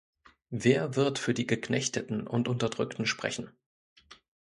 Wer wird für die Geknechteten und Unterdrückten sprechen?